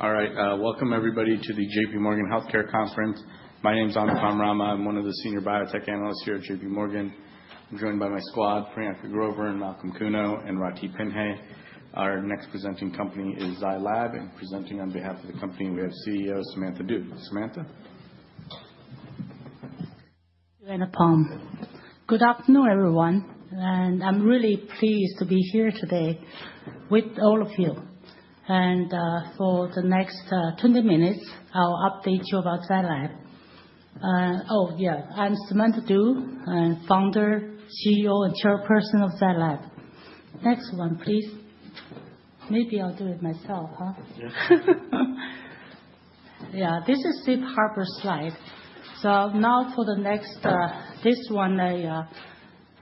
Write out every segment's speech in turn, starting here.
All right, welcome everybody to the JPMorgan Healthcare Conference. My name's Anupam Rama. I'm one of the Senior Biotech Analysts here at JPMorgan. I'm joined by my squad, Priyanka Grover, Malcolm Kuno, and Rathi Penhe. Our next presenting company is Zai Lab, and presenting on behalf of the company, we have CEO Samantha Du. Samantha? Thank you, Anupam. Good afternoon, everyone. And I'm really pleased to be here today with all of you. And for the next 20 minutes, I'll update you about Zai Lab. Oh, yeah, I'm Samantha Du, Founder, CEO, and Chairperson of Zai Lab. Next one, please. Maybe I'll do it myself, huh? Yeah. Yeah, this is Safe Harbor slide. So now for the next this one,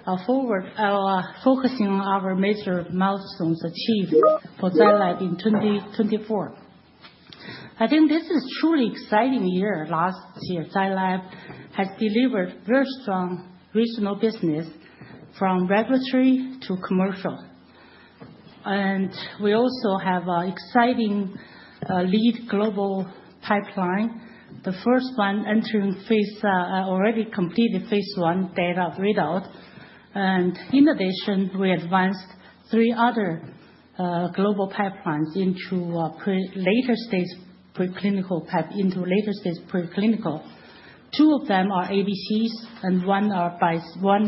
I'll focus on our major milestones achieved for Zai Lab in 2024. I think this is a truly exciting year. Last year, Zai Lab has delivered very strong regional business from regulatory to commercial. And we also have an exciting lead global pipeline. The first one entering phase already completed phase I data readout. And in addition, we advanced three other global pipelines into later stage preclinical. Two of them are ADCs, and one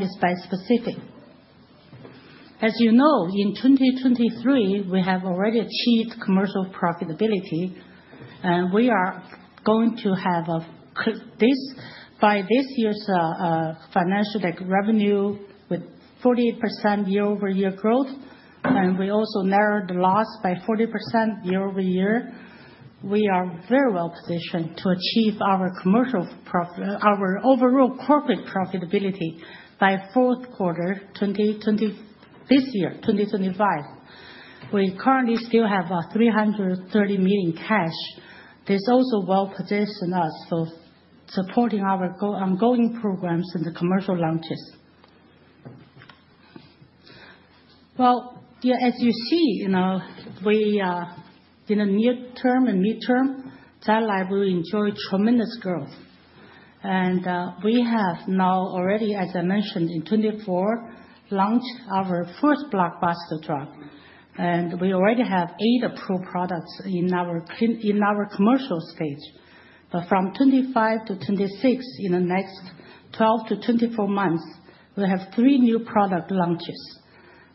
is bispecific. As you know, in 2023, we have already achieved commercial profitability. And we are going to have this year's financial revenue with 40% year-over-year growth. And we also narrowed the loss by 40% year-over-year. We are very well positioned to achieve our commercial profit, our overall corporate profitability by fourth quarter this year, 2025. We currently still have $330 million cash. This also well positions us for supporting our ongoing programs and the commercial launches. As you see, in the near term and midterm, Zai Lab will enjoy tremendous growth. We have now already, as I mentioned, in 2024, launched our first blockbuster drug. We already have eight approved products in our commercial stage. From 2025-2026, in the next 12-24 months, we'll have three new product launches.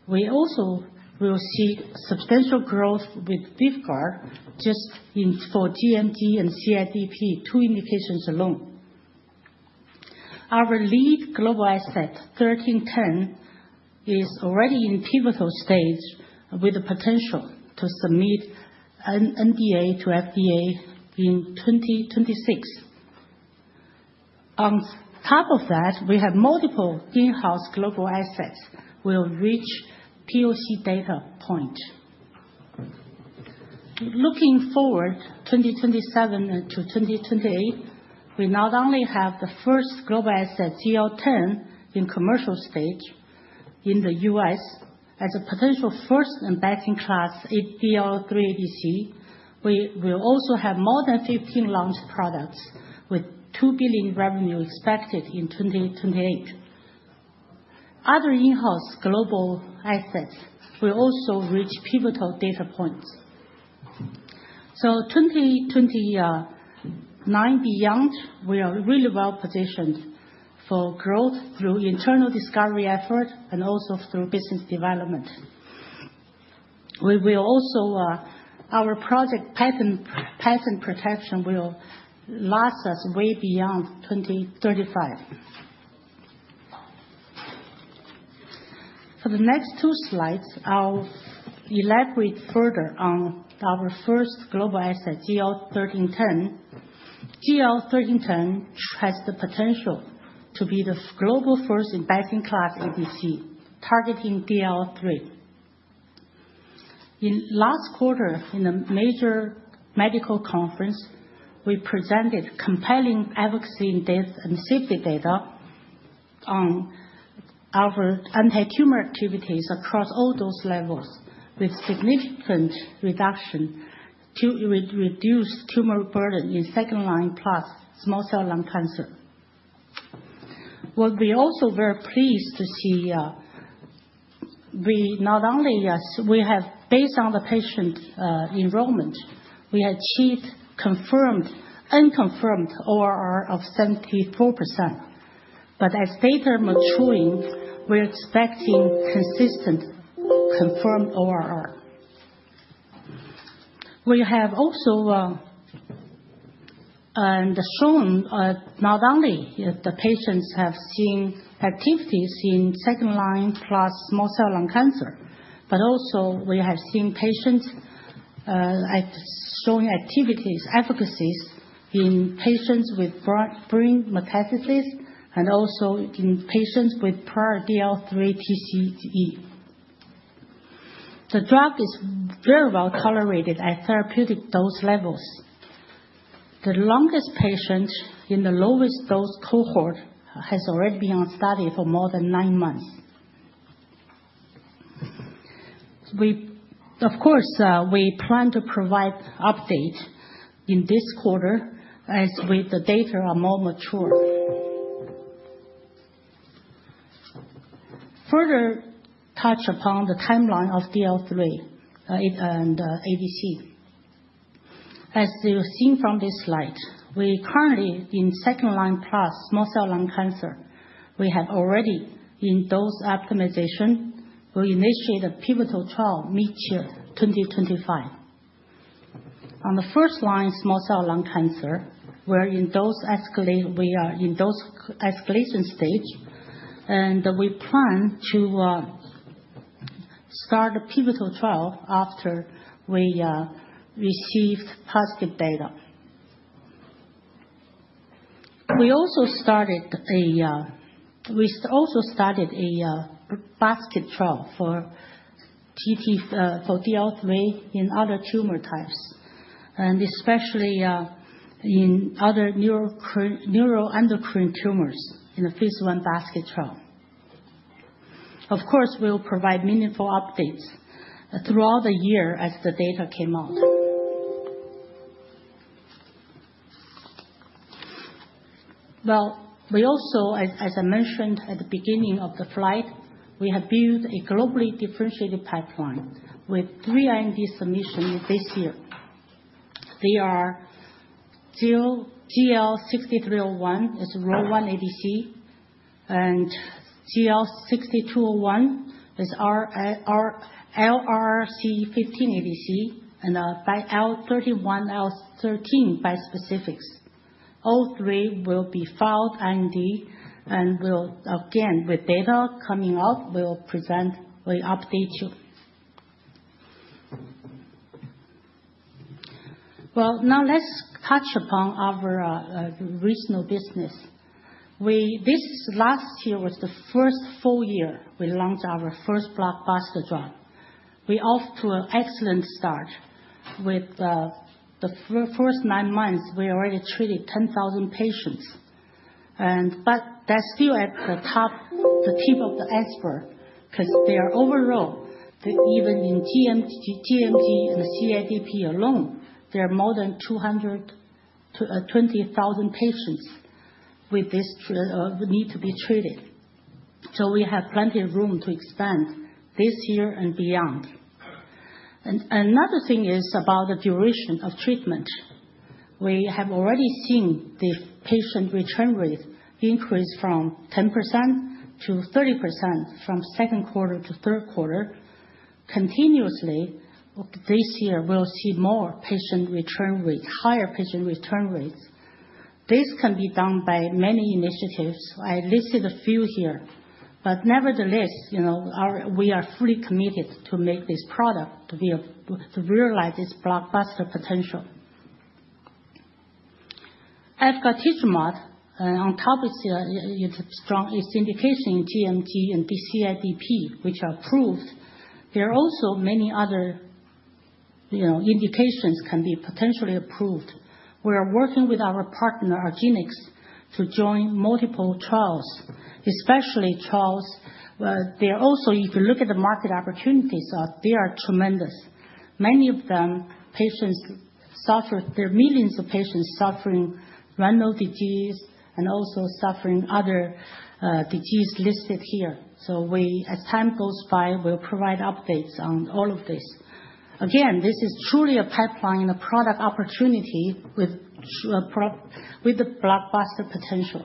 We also will see substantial growth with Vyvgart just for gMG and CIDP, two indications alone. Our lead global asset, ZL-1310, is already in pivotal stage with the potential to submit an NDA to FDA in 2026. On top of that, we have multiple in-house global assets that will reach POC data point. Looking forward to 2027 to 2028, we not only have the first global asset, ZL-1310, in commercial stage in the U.S. as a potential first- and best-in-class DLL3 ADC, we will also have more than 15 launch products with $2 billion revenue expected in 2028. Other in-house global assets will also reach pivotal data points. So 2029 and beyond, we are really well positioned for growth through internal discovery effort and also through business development. We will also have our projects' patent protection will last us way beyond 2035. For the next two slides, I'll elaborate further on our first global asset, ZL-1310. ZL-1310 has the potential to be the global first- and best-in-class ADC targeting DLL3. In last quarter, in a major medical conference, we presented compelling efficacy and safety data on our anti-tumor activity across all those levels with significant reduction to reduce tumor burden in second-line plus small cell lung cancer. What we're also very pleased to see, we not only we have based on the patient enrollment, we achieved confirmed and unconfirmed ORR of 74%, but as data maturing, we're expecting consistent confirmed ORR. We have also shown not only the patients have seen activity in second-line plus small cell lung cancer, but also we have seen patients showing activity, efficacy in patients with brain metastasis and also in patients with prior DLL3 TCE. The drug is very well tolerated at therapeutic dose levels. The longest patient in the lowest dose cohort has already been on study for more than nine months. Of course, we plan to provide update in this quarter as with the data are more mature. Further touch upon the timeline of DLL3 and ADC. As you've seen from this slide, we currently in second-line plus small cell lung cancer, we have already in dose optimization, we initiated a pivotal trial mid-year 2025. On the first line, small cell lung cancer, we're in dose escalation stage. And we plan to start a pivotal trial after we received positive data. We also started a basket trial for DLL3 in other tumor types, and especially in other neuroendocrine tumors in the phase I basket trial. Of course, we'll provide meaningful updates throughout the year as the data came out. Well, we also, as I mentioned at the beginning of the slide, we have built a globally differentiated pipeline with three IND submissions this year. They are ZL-6301 is ROR1 ADC, and ZL-6201 is LRRC15 ADC, and ZL-1310, ZL-1503 bispecifics. All three will be filed IND, and again, with data coming out, we'll present, we update you. Now let's touch upon our regional business. This last year was the first full year we launched our first blockbuster drug. We're off to an excellent start. In the first nine months, we already treated 10,000 patients. But that's still at the top, the tip of the iceberg, because overall, even in gMG and CIDP alone, there are more than 20,000 patients with this need to be treated. So we have plenty of room to expand this year and beyond. Another thing is about the duration of treatment. We have already seen the patient return rate increase from 10%-30% from second quarter to third quarter. Continuously, this year, we'll see more patient return rate, higher patient return rates. This can be done by many initiatives. I listed a few here. But nevertheless, we are fully committed to make this product to realize this blockbuster potential. Vyvgart, on top, it's indication in gMG and CIDP, which are approved. There are also many other indications that can be potentially approved. We are working with our partner, argenx, to join multiple trials, especially trials, where they are also, if you look at the market opportunities, they are tremendous. Many of them, patients suffer. There are millions of patients suffering renal disease and also suffering other disease listed here. So we, as time goes by, will provide updates on all of this. Again, this is truly a pipeline and a product opportunity with the blockbuster potential.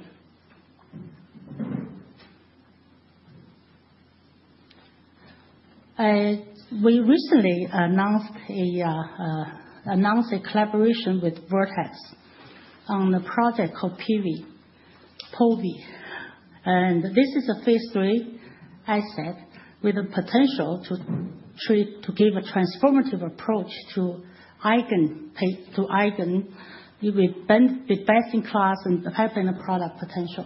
We recently announced a collaboration with Vertex on a project called povetacicept. This is a phase III asset with a potential to give a transformative approach to IgAN with best-in-class and pipeline of product potential.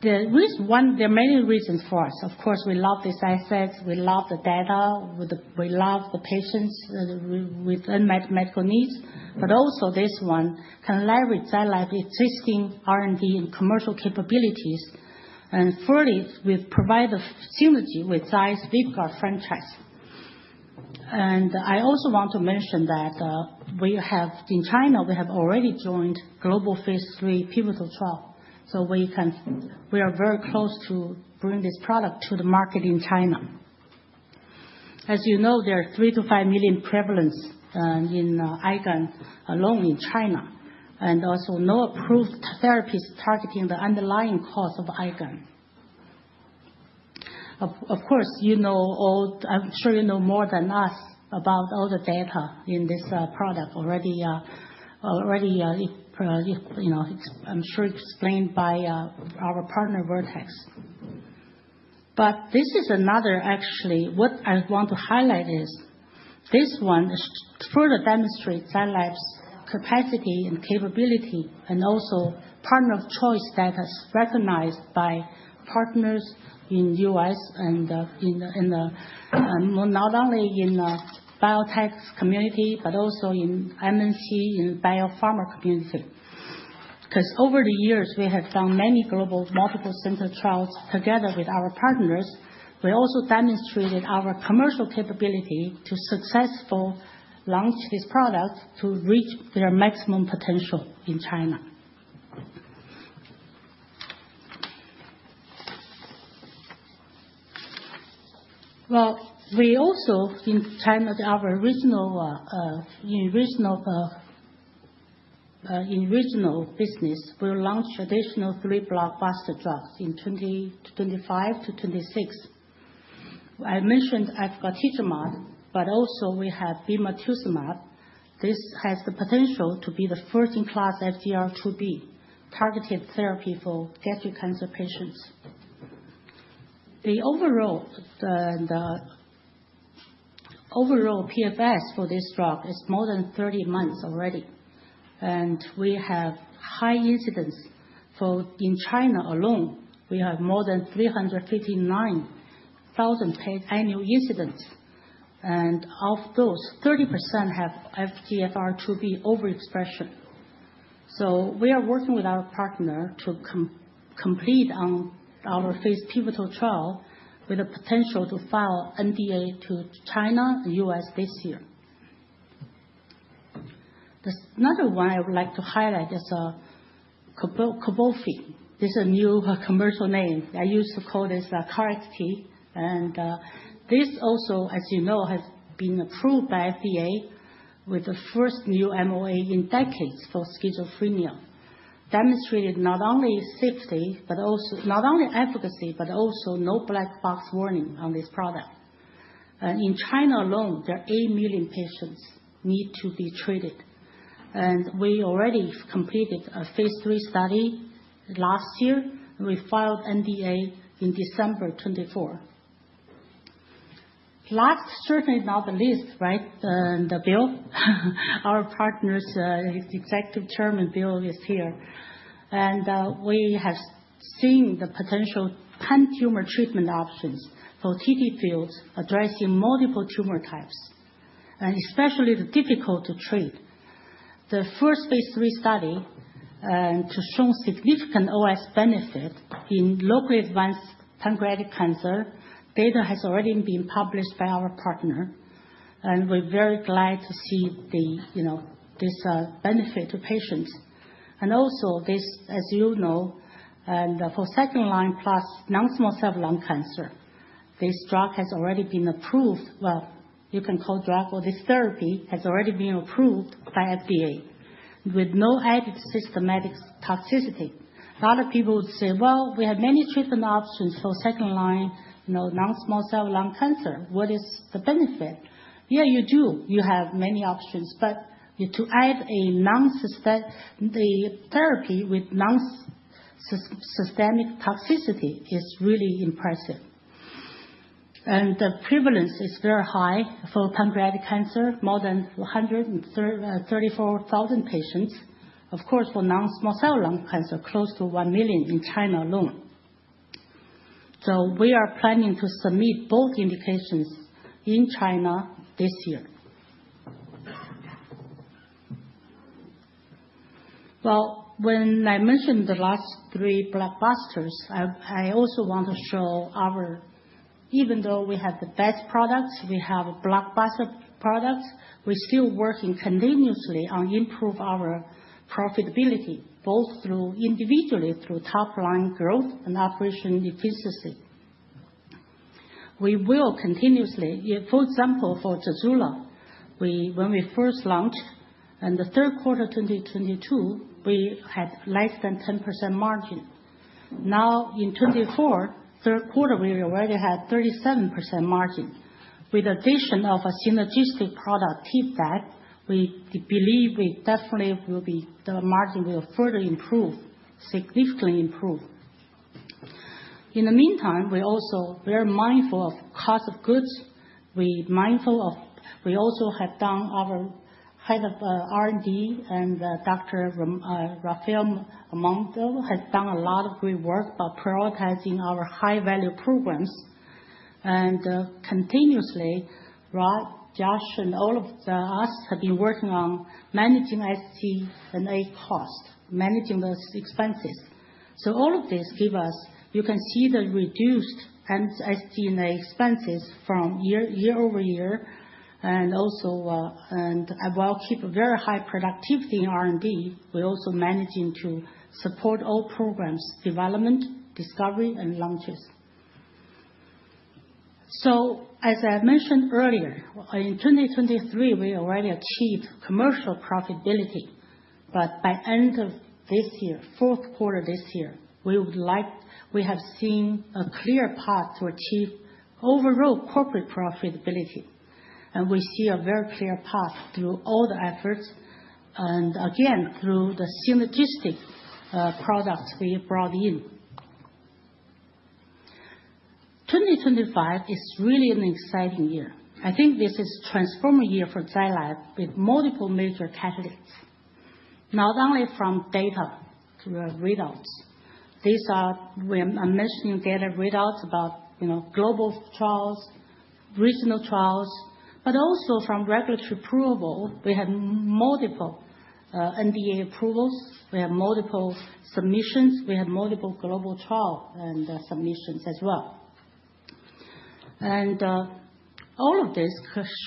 There are many reasons for us. Of course, we love this asset. We love the data. We love the patients with medical needs, but also this one can leverage Zai Lab's existing R&D and commercial capabilities, and thirdly, we provide a synergy with Zai's Vyvgart franchise, and I also want to mention that we have in China already joined global phase III pivotal trial, so we are very close to bringing this product to the market in China. As you know, there are 3 million-5 million prevalence in IgAN alone in China, and also no approved therapies targeting the underlying cause of IgAN. Of course, you know all. I'm sure you know more than us about all the data in this product already, I'm sure, explained by our partner, Vertex. But this is another. Actually, what I want to highlight is this one further demonstrates Zai Lab's capacity and capability and also partner of choice status recognized by partners in the U.S. and not only in the biotech community, but also in MNC, in the biopharma community. Because over the years, we have done many global multiple center trials together with our partners. We also demonstrated our commercial capability to successfully launch this product to reach their maximum potential in China. We also in China, our original business, will launch additional three blockbuster drugs in 2025-2026. I mentioned efgartigimod, but also we have bemarituzumab. This has the potential to be the first-in-class FGFR2b targeted therapy for gastric cancer patients. The overall PFS for this drug is more than 30 months already. We have high incidence for in China alone, we have more than 359,000 annual incidents. Of those, 30% have FGFR2b overexpression. We are working with our partner to complete our phase pivotal trial with a potential to file NDA to China and U.S. this year. Another one I would like to highlight is Cobenfy. This is a new commercial name. I used to call this KarXT. This also, as you know, has been approved by FDA with the first new MOA in decades for schizophrenia, demonstrated not only safety, but also not only efficacy, but also no black box warning on this product. In China alone, there are 8 million patients need to be treated. We already completed a phase three study last year. We filed NDA in December 2024. Last, certainly not the least, right, Bill. Our partner's Executive Chairman Bill is here. And we have seen the potential pan-tumor treatment options for TTFields addressing multiple tumor types, and especially the difficult to treat. The first phase III study to show significant OS benefit in locally advanced pancreatic cancer data has already been published by our partner. And we're very glad to see this benefit to patients. And also this, as you know, for second-line plus non-small cell lung cancer, this drug has already been approved. Well, you can call it a drug or this therapy has already been approved by FDA with no added systemic toxicity. A lot of people would say, well, we have many treatment options for second-line non-small cell lung cancer. What is the benefit? Yeah, you do. You have many options. But to add a therapy with non-systemic toxicity is really impressive. The prevalence is very high for pancreatic cancer, more than 134,000 patients. Of course, for non-small cell lung cancer, close to 1 million in China alone. We are planning to submit both indications in China this year. When I mentioned the last three blockbusters, I also want to show how even though we have the best products, we have a blockbuster product, we still working continuously on improving our profitability, both individually through top-line growth and operational efficiency. We will continuously, for example, for Zai Lab, when we first launched in the third quarter 2022, we had less than 10% margin. Now in 2024, third quarter, we already had 37% margin. With the addition of a synergistic product Tivdak, we believe we definitely will be the margin will further improve, significantly improve. In the meantime, we also we're mindful of cost of goods. We mindful of. We also have done our head of R&D and Dr. Rafael Amado has done a lot of great work about prioritizing our high-value programs, and continuously, Rafa, Josh, and all of us have been working on managing SG&A cost, managing those expenses. So all of this give us you can see the reduced SG&A expenses from year-over-year, and also while keeping very high productivity in R&D, we're also managing to support all programs, development, discovery, and launches, so as I mentioned earlier, in 2023, we already achieved commercial profitability. But by end of this year, fourth quarter this year, we would like we have seen a clear path to achieve overall corporate profitability, and we see a very clear path through all the efforts and again, through the synergistic products we brought in. 2025 is really an exciting year. I think this is a transforming year for Zai Lab with multiple major catalysts, not only from data to readouts. These are. I'm mentioning data readouts about global trials, regional trials, but also from regulatory approval. We have multiple NDA approvals. We have multiple submissions. We have multiple global trial and submissions as well. And all of this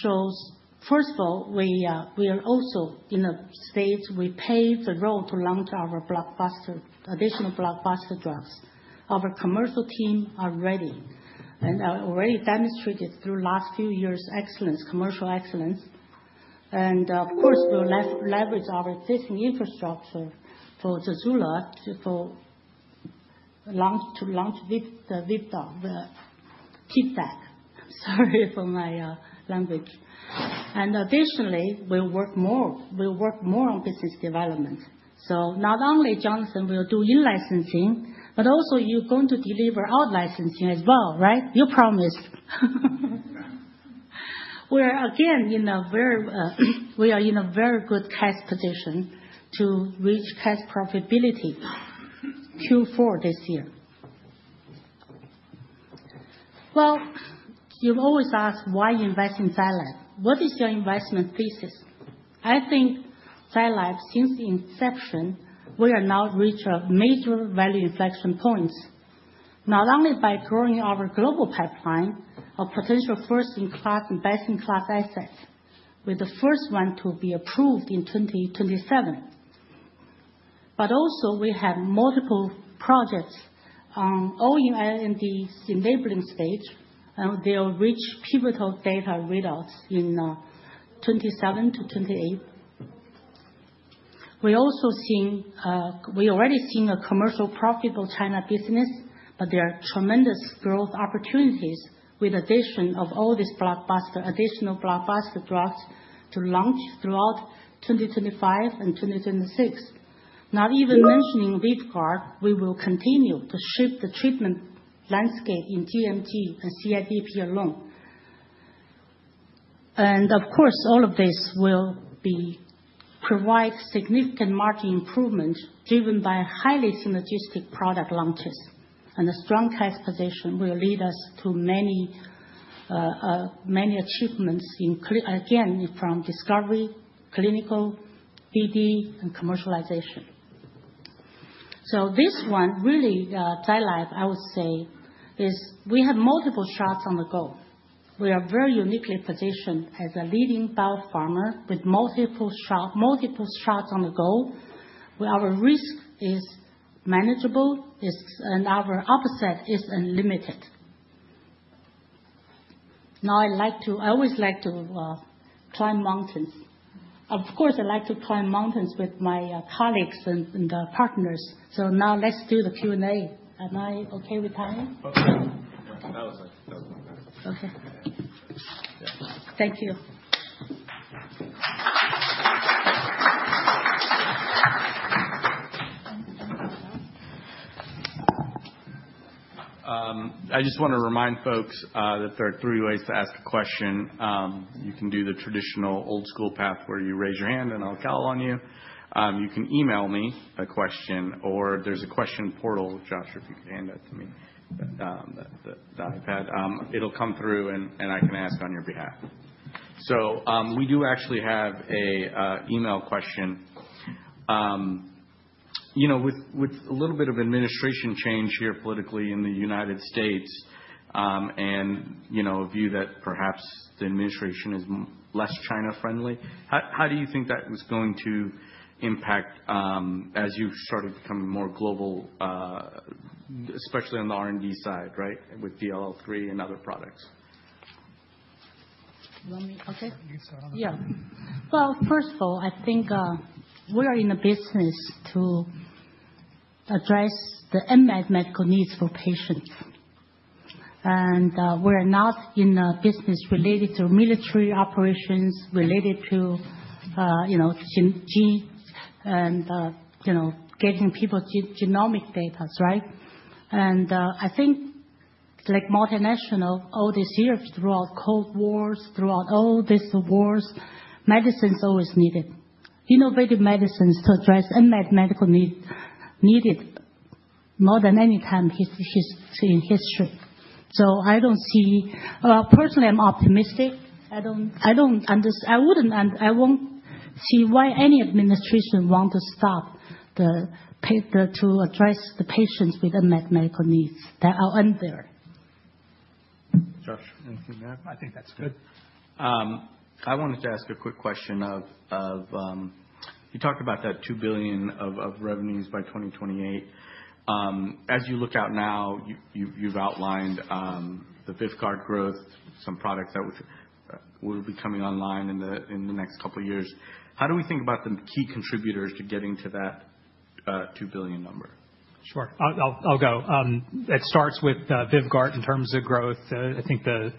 shows, first of all, we are also in a state we paved the road to launch our blockbuster, additional blockbuster drugs. Our commercial team are ready and already demonstrated through last few years' excellence, commercial excellence. And of course, we'll leverage our existing infrastructure for Zai Lab to launch Vyvgart, the Tivdak. Sorry for my language. And additionally, we'll work more. We'll work more on business development. So not only Jonathan will do in-licensing, but also you're going to deliver out-licensing as well, right? You promised. We're again in a very good cash position to reach cash profitability Q4 this year. You've always asked why invest in Zai Lab. What is your investment thesis? I think Zai Lab, since inception, we are now reaching major value inflection points, not only by growing our global pipeline of potential first-in-class and best-in-class assets, with the first one to be approved in 2027. But also we have multiple projects all in R&D enabling stage. They'll reach pivotal data readouts in 2027-2028. We also see we've already seen a commercial profitable China business, but there are tremendous growth opportunities with the addition of all these additional blockbuster drugs to launch throughout 2025 and 2026. Not even mentioning Vyvgart, we will continue to shape the treatment landscape in gMG and CIDP alone. And of course, all of this will provide significant margin improvement driven by highly synergistic product launches. And a strong cash position will lead us to many achievements, again, from discovery, clinical, BD, and commercialization. So this one really, Zai Lab, I would say, is we have multiple shots on the goal. We are very uniquely positioned as a leading biopharma with multiple shots on the goal. Our risk is manageable, and our upside is unlimited. Now I always like to climb mountains. Of course, I like to climb mountains with my colleagues and partners. So now let's do the Q&A. Am I okay with time? Okay. That was good. Okay. Thank you. I just want to remind folks that there are three ways to ask a question. You can do the traditional old school path where you raise your hand and I'll call on you. You can email me a question, or there's a question portal, Josh, if you could hand that to me, the iPad. It'll come through, and I can ask on your behalf. So we do actually have an email question. With a little bit of administration change here politically in the United States and a view that perhaps the administration is less China-friendly, how do you think that was going to impact as you started becoming more global, especially on the R&D side, right, with DLL3 and other products? Okay. Yeah. Well, first of all, I think we are in a business to address the unmet medical needs for patients, and we are not in a business related to military operations related to getting people genomic data, right? And I think, like multinational, all these years throughout Cold Wars, throughout all these wars, medicine is always needed, innovative medicines to address unmet medical needs needed more than any time in history, so I don't see personally, I'm optimistic. I don't understand. I wouldn't see why any administration wants to stop the pay to address the patients with unmet medical needs. They are unfair. Josh, anything to add? I think that's good. I wanted to ask a quick question of you talked about that $2 billion of revenues by 2028. As you look out now, you've outlined the Vyvgart growth, some products that will be coming online in the next couple of years. How do we think about the key contributors to getting to that $2 billion number? Sure. I'll go. It starts with Vyvgart in terms of growth. I think the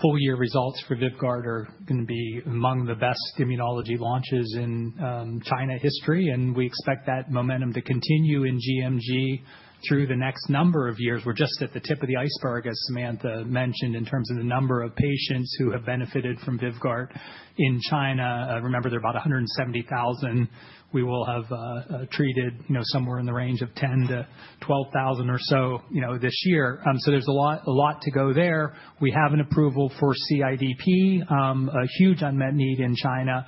full year results for Vyvgart are going to be among the best immunology launches in China history, and we expect that momentum to continue in gMG through the next number of years. We're just at the tip of the iceberg, as Samantha mentioned, in terms of the number of patients who have benefited from Vyvgart in China. Remember, they're about 170,000. We will have treated somewhere in the range of 10,000-12,000 or so this year, so there's a lot to go there. We have an approval for CIDP, a huge unmet need in China,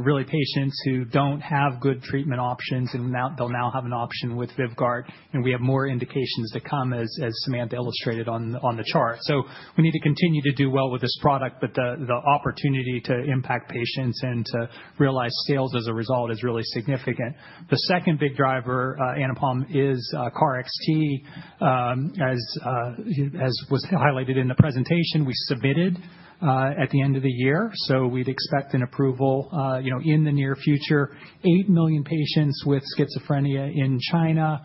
really patients who don't have good treatment options, and they'll now have an option with Vyvgart, and we have more indications to come, as Samantha illustrated on the chart, so we need to continue to do well with this product. But the opportunity to impact patients and to realize sales as a result is really significant. The second big driver, Anupam, is KarXT. As was highlighted in the presentation, we submitted at the end of the year. So we'd expect an approval in the near future, eight million patients with schizophrenia in China.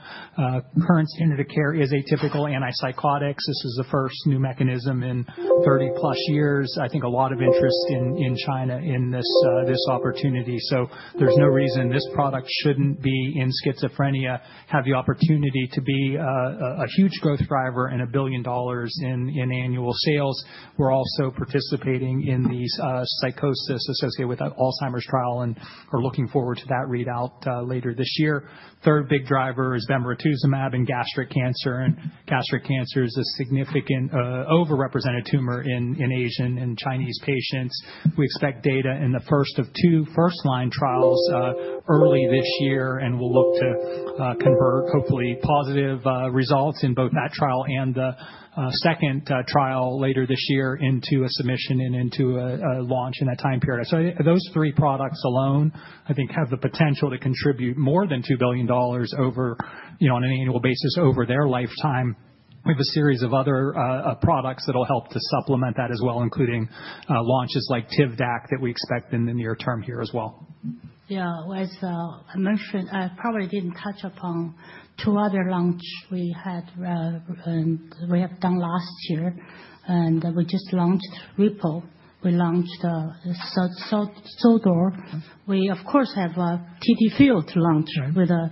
Current standard of care is atypical antipsychotics. This is the first new mechanism in 30+ years. I think a lot of interest in China in this opportunity. So there's no reason this product shouldn't be in schizophrenia, have the opportunity to be a huge growth driver and $1 billion in annual sales. We're also participating in these psychosis associated with the Alzheimer's trial and are looking forward to that readout later this year. Third big driver is bemarituzumab in gastric cancer. And gastric cancer is a significant overrepresented tumor in Asian and Chinese patients. We expect data in the first of two first line trials early this year, and we'll look to convert, hopefully, positive results in both that trial and the second trial later this year into a submission and into a launch in that time period, so those three products alone, I think, have the potential to contribute more than $2 billion on an annual basis over their lifetime. We have a series of other products that will help to supplement that as well, including launches like Tivdak that we expect in the near term here as well. Yeah. As I mentioned, I probably didn't touch upon two other launches we had and we have done last year. And we just launched Augtyro. We launched bemarituzumab. We, of course, have TTFields to launch with a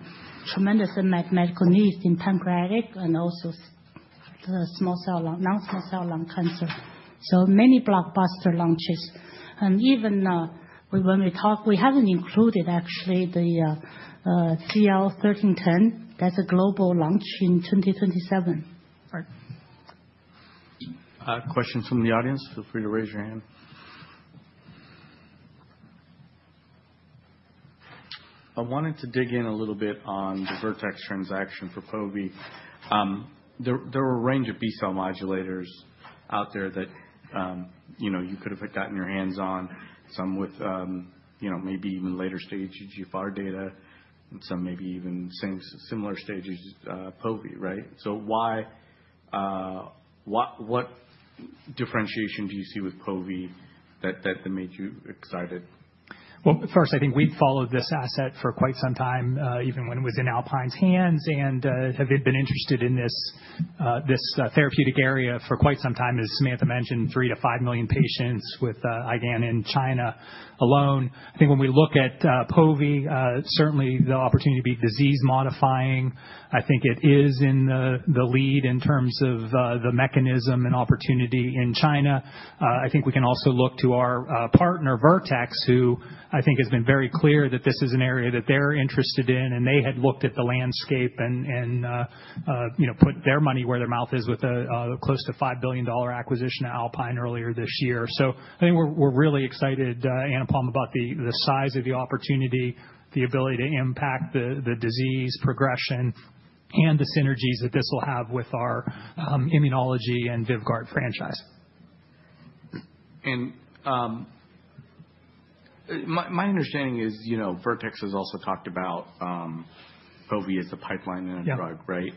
tremendous medical needs in pancreatic and also non-small cell lung cancer. So many blockbuster launches. And even when we talk, we haven't included actually the ZL-1310. That's a global launch in 2027. Questions from the audience? Feel free to raise your hand. I wanted to dig in a little bit on the Vertex transaction for povetacicept. There were a range of B-cell modulators out there that you could have gotten your hands on, some with maybe even later stage GFR data and some maybe even similar stages povetacicept, right? So what differentiation do you see with povetacicept that made you excited? First, I think we've followed this asset for quite some time, even when it was in Alpine's hands, and have been interested in this therapeutic area for quite some time. As Samantha mentioned, 3 million-5 million patients with IgAN in China alone. I think when we look at POV, certainly the opportunity to be disease modifying. I think it is in the lead in terms of the mechanism and opportunity in China. I think we can also look to our partner, Vertex, who I think has been very clear that this is an area that they're interested in, and they had looked at the landscape and put their money where their mouth is with a close to $5 billion acquisition at Alpine earlier this year. So I think we're really excited, Anupam, about the size of the opportunity, the ability to impact the disease progression, and the synergies that this will have with our immunology and Vyvgart franchise. My understanding is Vertex has also talked about POV as a pipeline drug, right?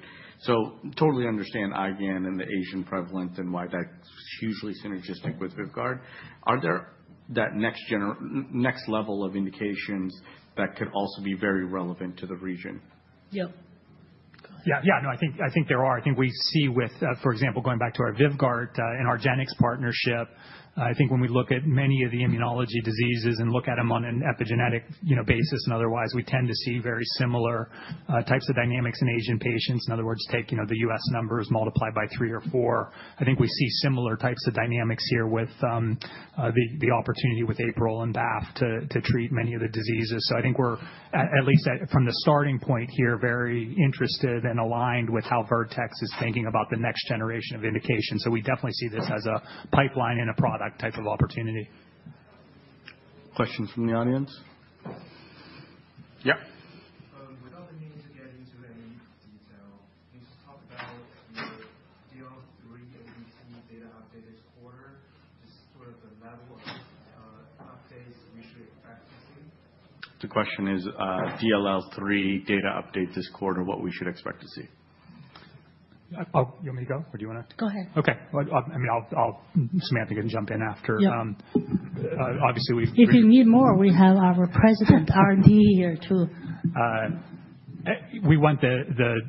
I totally understand IgAN and the Asian prevalence and why that's hugely synergistic with Vyvgart. Are there any next level of indications that could also be very relevant to the region? Yeah. Yeah. Yeah. No, I think there are. I think we see with, for example, going back to our Vyvgart and our argenx partnership, I think when we look at many of the immunology diseases and look at them on an epidemiologic basis and otherwise, we tend to see very similar types of dynamics in Asian patients. In other words, take the U.S. numbers multiplied by three or four. I think we see similar types of dynamics here with the opportunity with APRIL and BAFF to treat many of the diseases. So I think we're, at least from the starting point here, very interested and aligned with how Vertex is thinking about the next generation of indications. So we definitely see this as a pipeline and a product type of opportunity. Questions from the audience? Yep. Without the need to get into any detail, can you just talk about your DLL3 ADC data update this quarter, just sort of the level of updates we should expect to see? The question is DLL3 data update this quarter, what we should expect to see? You want me to go or do you want to? Go ahead. Okay. I mean, Samantha can jump in after. Obviously, we've. If you need more, we have our President, R&D, here too. We want the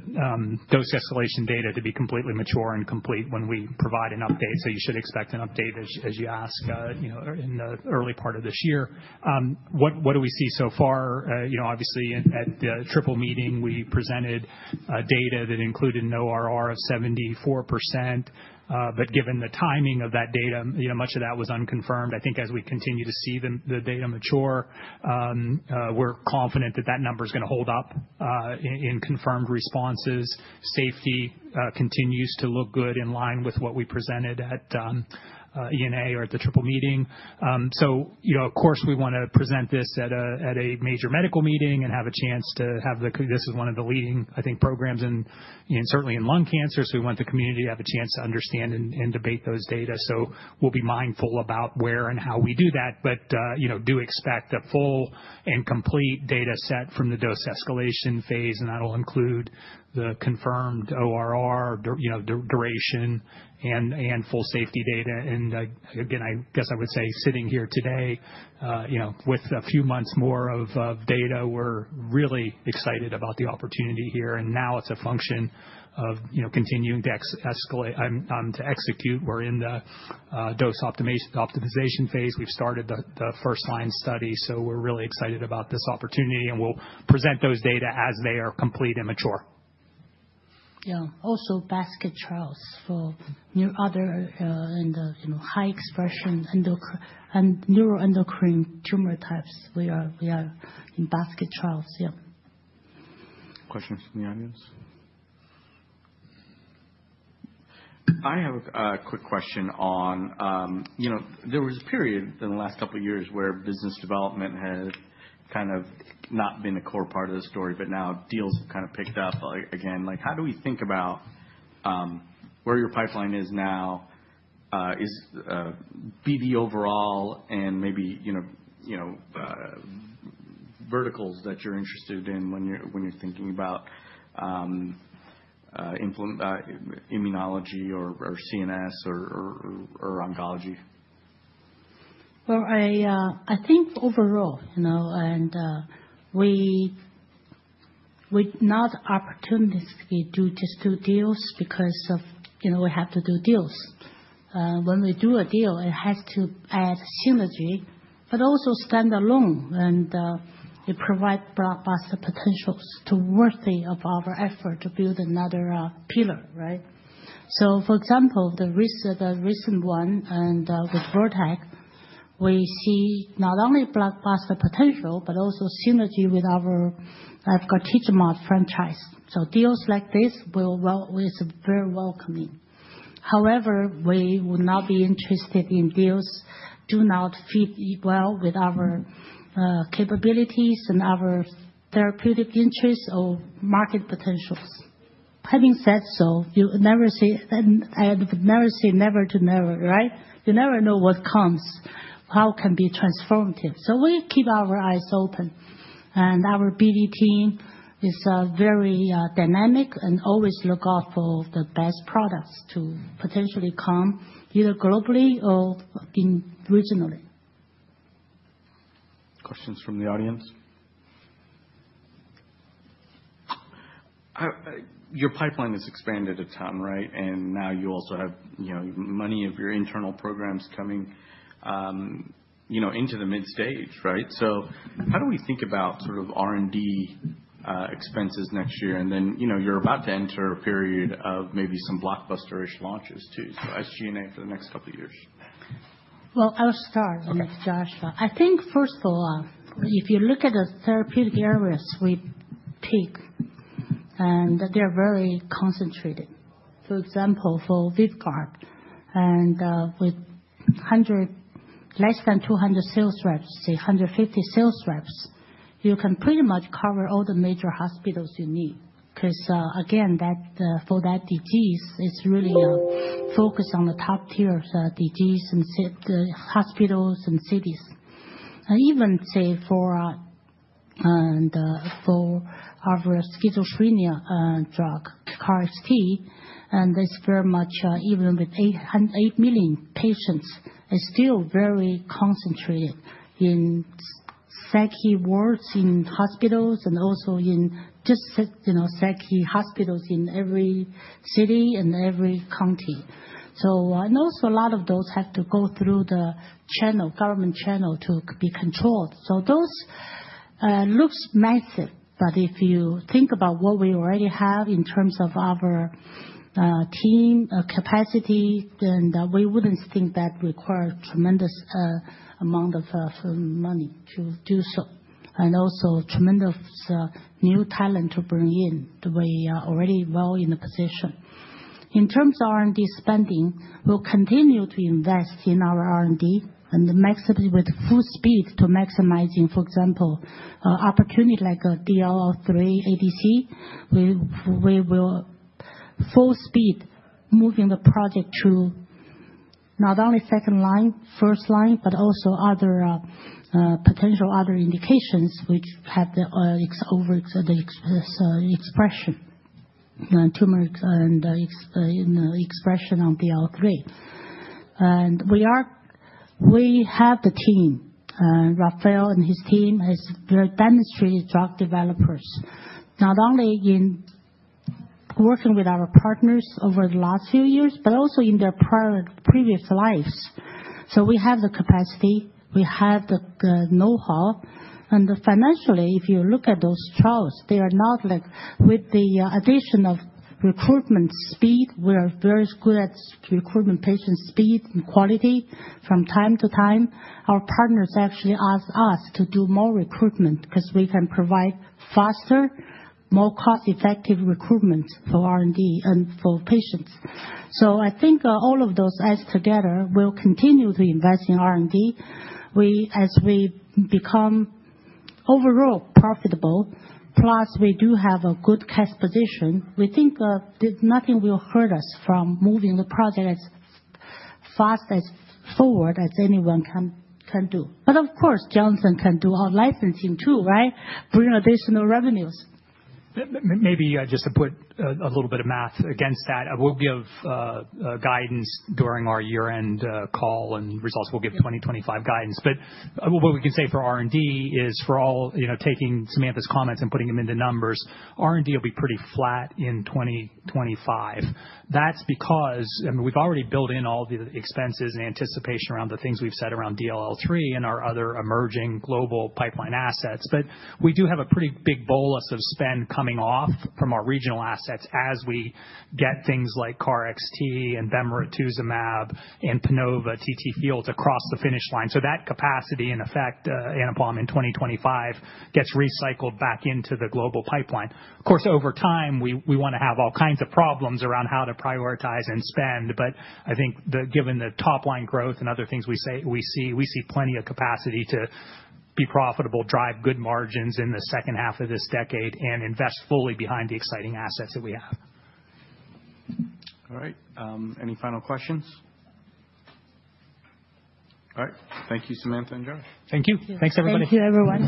dose escalation data to be completely mature and complete when we provide an update, so you should expect an update as you ask in the early part of this year. What do we see so far? Obviously, at the triple meeting, we presented data that included ORR of 74%, but given the timing of that data, much of that was unconfirmed. I think as we continue to see the data mature, we're confident that that number is going to hold up in confirmed responses. Safety continues to look good in line with what we presented at ENA or at the triple meeting, so, of course, we want to present this at a major medical meeting and have a chance. This is one of the leading, I think, programs and certainly in lung cancer. So we want the community to have a chance to understand and debate those data. So we'll be mindful about where and how we do that, but do expect a full and complete data set from the dose escalation phase. And that will include the confirmed ORR duration and full safety data. And again, I guess I would say sitting here today with a few months more of data, we're really excited about the opportunity here. And now it's a function of continuing to execute. We're in the dose optimization phase. We've started the first line study. So we're really excited about this opportunity. And we'll present those data as they are complete and mature. Yeah. Also basket trials for other high expression and neuroendocrine tumor types. We are in basket trials. Yeah. Questions from the audience? I have a quick question on there was a period in the last couple of years where business development has kind of not been a core part of the story, but now deals have kind of picked up again. How do we think about where your pipeline is now? Like the overall and maybe verticals that you're interested in when you're thinking about immunology or CNS or oncology? I think overall we do not opportunistically do just two deals because we have to do deals. When we do a deal, it has to add synergy, but also stand alone. It provides blockbuster potential that's worthy of our effort to build another pillar, right? For example, the recent one with Vertex, we see not only blockbuster potential, but also synergy with our IgAN efgartigimod franchise. Deals like this, we are very welcoming. However, we will not be interested in deals that do not fit well with our capabilities and our therapeutic interests or market potentials. Having said so, you never say never, right? You never know what comes, how it can be transformative. We keep our eyes open. Our BD team is very dynamic and always looks out for the best products to potentially come either globally or regionally. Questions from the audience? Your pipeline has expanded a ton, right? And now you also have many of your internal programs coming into the mid stage, right? So how do we think about sort of R&D expenses next year? And then you're about to enter a period of maybe some blockbuster-ish launches too. So SG&A for the next couple of years. I'll start with Joshua. I think, first of all, if you look at the therapeutic areas we pick, and they're very concentrated. For example, for Vyvgart, and with less than 200 sales reps, say 150 sales reps, you can pretty much cover all the major hospitals you need. Because again, for that disease, it's really focused on the top tier of disease and hospitals and cities. And even say for our schizophrenia drug, KarXT, and it's very much even with 8 million patients, it's still very concentrated in psych wards in hospitals and also in just psych hospitals in every city and every county. So and also a lot of those have to go through the channel, government channel to be controlled. So those looks massive. But if you think about what we already have in terms of our team capacity, then we wouldn't think that requires tremendous amount of money to do so. And also tremendous new talent to bring in. We are already well in the position. In terms of R&D spending, we'll continue to invest in our R&D and maximize with full speed to maximizing, for example, opportunity like DLL3 ADC. We will full speed moving the project to not only second line, first line, but also other potential other indications which have the expression and tumor expression on DLL3. And we have the team. Rafael and his team has very demonstrated drug developers, not only in working with our partners over the last few years, but also in their previous lives. So we have the capacity. We have the know-how. Financially, if you look at those trials, they are not like with the addition of recruitment speed. We are very good at recruitment patient speed and quality from time to time. Our partners actually ask us to do more recruitment because we can provide faster, more cost-effective recruitment for R&D and for patients. I think all of those as together. We'll continue to invest in R&D. As we become overall profitable, plus we do have a good cash position, we think nothing will hurt us from moving the project as fast as forward as anyone can do. Of course, Jonathan can do our licensing too, right? Bring additional revenues. Maybe just to put a little bit of math against that, we'll give guidance during our year-end call and results. We'll give 2025 guidance. But what we can say for R&D is for all taking Samantha's comments and putting them into numbers, R&D will be pretty flat in 2025. That's because we've already built in all the expenses and anticipation around the things we've said around DLL3 and our other emerging global pipeline assets. But we do have a pretty big bolus of spend coming off from our regional assets as we get things like KarXT and bemarituzumab, and PANOVA, TTFields across the finish line. So that capacity, in effect, Anupam, in 2025 gets recycled back into the global pipeline. Of course, over time, we want to have all kinds of problems around how to prioritize and spend. But I think given the top line growth and other things we see, we see plenty of capacity to be profitable, drive good margins in the second half of this decade, and invest fully behind the exciting assets that we have. All right. Any final questions? All right. Thank you, Samantha and Josh. Thank you. Thanks, everybody. Thank you, everyone.